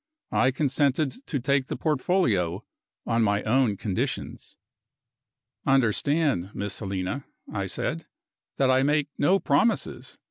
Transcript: I consented to take the portfolio on my own conditions. "Understand, Miss Helena," I said, "that I make no promises.